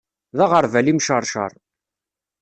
D aɣerbal imceṛceṛ.